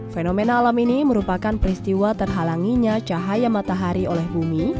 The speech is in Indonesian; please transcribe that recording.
fenomena alam ini merupakan peristiwa terhalanginya cahaya matahari oleh bumi